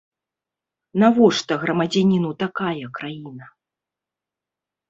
Навошта грамадзяніну такая краіна?!